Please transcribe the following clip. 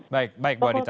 baik baik bu adhita